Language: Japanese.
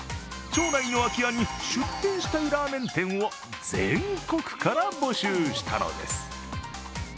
町内の空き家に出店したいラーメン店を全国から募集したのです。